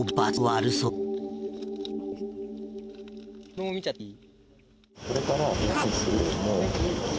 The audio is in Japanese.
これも見ちゃっていい？